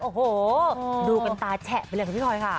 โอ้โหดูกันตาแฉะไปเลยคุณพี่พลอยค่ะ